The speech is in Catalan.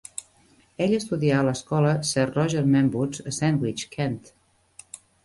Ell estudià a l'escola Sir Roger Manwood's a Sandwich, Kent.